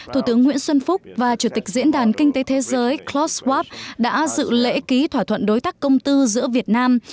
thủ tướng nguyễn xuân phúc và chủ tịch diễn đàn kinh tế thế giới kros wav đã dự lễ ký thỏa thuận đối tác công tư giữa việt nam